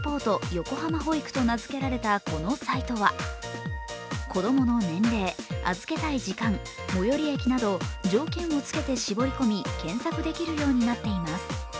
よこはま保育と名付けられたこのサイトは、子供の年齢、預けたい時間、最寄り駅など条件を付けて絞り込み、検索できるようになっています。